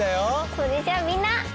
それじゃみんな。